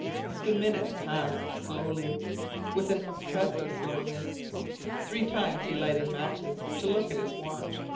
The minutes passed slowly with an oppressive slowness. Three times he lighted matches to look at his watch.